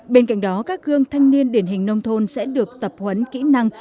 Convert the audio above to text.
bên cạnh đó các gương thanh niên điển hình nông thôn sẽ được tập huấn kỹ năng